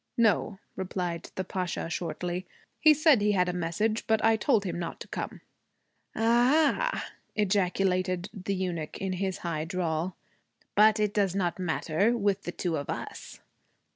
'No,' replied the Pasha shortly. 'He said he had had a message, but I told him not to come.' 'A ah!' ejaculated the eunuch in his high drawl. 'But it does not matter with the two of us.'